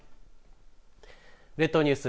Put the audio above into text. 列島ニュース